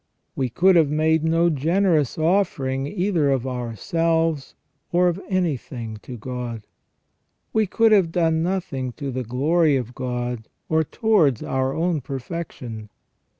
We could have made no generous offering either of ourselves or of anything to God. We could have done nothing to the glory of God, or towards our own perfection.